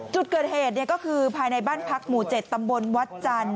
จุดเกิดเหตุก็คือภายในบ้านพักหมู่๗ตำบลวัดจันทร์